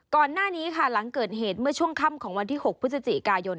ก่อนหน้านี้ค่ะหลังเกิดเหตุเมื่อช่วงค่ำของวันที่๖พฤศจิกายน